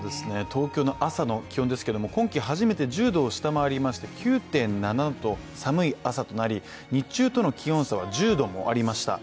東京の朝の気温ですが今季初めて１０度を下回りまして９．７度、寒い朝となり、日中との気温差は１０度もありました。